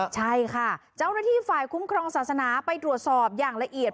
ใช่ค่ะเจ้าหน้าที่ฝ่ายคุ้มครองศาสนาไปตรวจสอบอย่างละเอียด